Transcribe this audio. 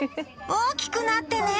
大きくなってね！